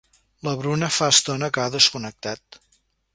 La Bruna fa estona que ha desconnectat.